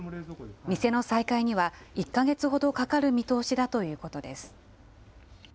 店の再開には１か月ほどかかる見通しだということです。